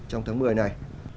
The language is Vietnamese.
trong tháng một mươi ngày này